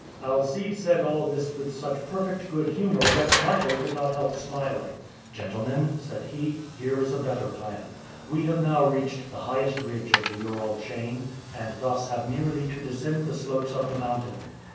Alcide said all this with such perfect good humor that Michael could not help smiling. "Gentlemen," said he, "here is a better plan. We have now reached the highest ridge of the Ural chain, and thus have merely to descend the slopes of the mountain.